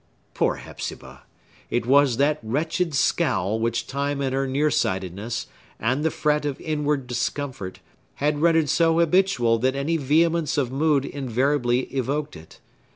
Poor Hepzibah! It was that wretched scowl which time and her near sightedness, and the fret of inward discomfort, had rendered so habitual that any vehemence of mood invariably evoked it.